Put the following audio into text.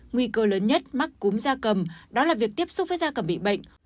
nguy cơ lớn nhất mắc cúm da cầm đó là việc tiếp xúc với da cầm bị bệnh